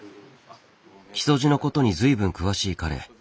木曽路のことに随分詳しい彼。